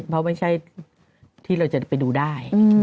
เพราะไม่ใช่ที่เราจะไปดูได้